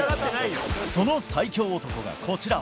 その最強男がこちら。